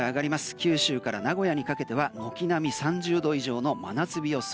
九州から名古屋にかけては軒並み３０度以上の真夏日予想。